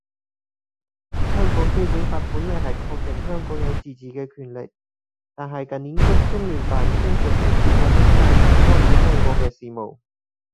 香港基本法本來係確定香港有自治嘅權力，但係近年中聯辦經常直接或者間接干預香港嘅事務。